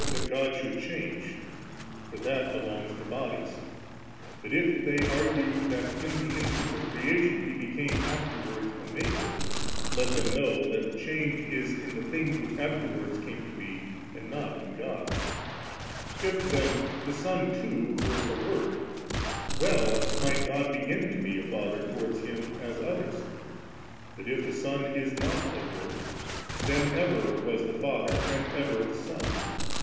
439 that God should change; lior that belongs to bodies; but if thej aigue that in the instance of creation He became afterwards a Maker, let them know that the change is in the things' which afterwards came to be, and not in God i6. If then the Son too were a work, well might God b^n to be a Father towards Hun as others; but if the Son is not a work, tfien ever was the Father and ever the Son